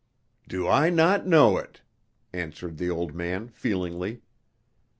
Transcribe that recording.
"Do I not know it?" answered the old man feelingly.